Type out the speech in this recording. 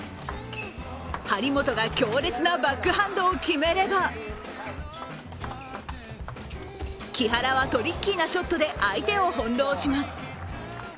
張本が強烈なバックハンドを決めれば木原はトリッキーなショットで相手を翻弄します。